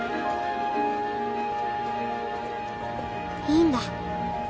いいんだ